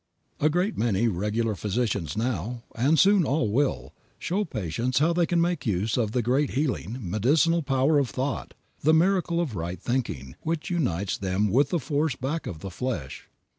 A great many regular physicians now, and all soon will, show patients how they can make use of the great healing, medicinal power of thought, the miracle of right thinking, which unites them with the Force back of the flesh.